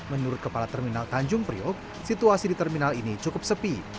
menurut kepala terminal tanjung priok situasi di terminal ini cukup sepi